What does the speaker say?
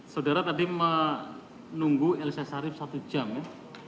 saudara tadi menunggu elisah sharif satu jam ya